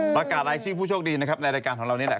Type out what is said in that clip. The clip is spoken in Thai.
ประกาศรายชื่อผู้โชคดีนะครับในรายการของเรานี่แหละ